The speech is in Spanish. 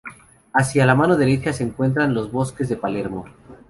Hacia la mano derecha se encuentran los Bosques de Palermo.